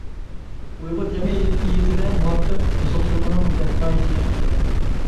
ئۇيغۇر جەمئىيىتىدە مۇھەببەت بۇزۇقچىلىقنىڭ دەسمايىسىگە ئايلاندى.